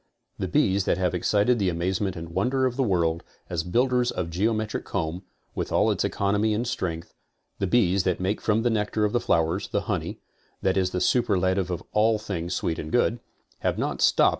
The bees that have excited the amazement and wonder of the world as build ers of geometric comb, with all its economy and strength, the bees that make from the nectar of the flowers the honey, that is the superlative of all things sweet and good; have not stopped.